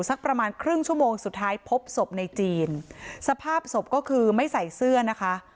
สักประมาณครึ่งชั่วโมงสุดท้ายพบศพในจีนสภาพศพก็คือไม่ใส่เสื้อนะคะ